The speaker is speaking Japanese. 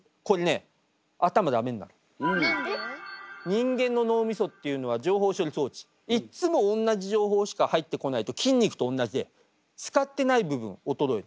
人間の脳みそっていうのは情報処理装置いっつも同じ情報しか入ってこないと筋肉と同じで使ってない部分おとろえる。